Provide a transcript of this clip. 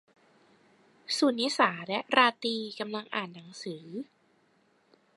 สุนิสาและราตรีกำลังอ่านหนังสือ